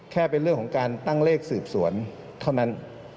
แค่เป็นเรื่องของการตั้งเลขสืบสวนเท่านั้น